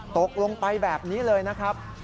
ตกลงไปแบบนี้เลยนะครับ